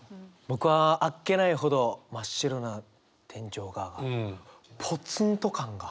僕は「あっけないほど真っ白な天井が」がポツンと感が。